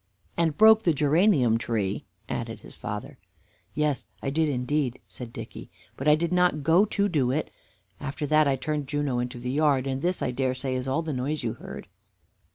"And broke the geranium tree," added his father. "Yes, I did indeed," said Dicky, "but I did not go to do it. After that I turned Juno into the yard, and this I dare say is all the noise you heard."